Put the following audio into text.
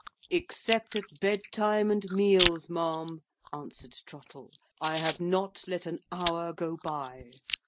"Except at bed time, and meals, ma'am," answered Trottle, "I have not let an hour go by.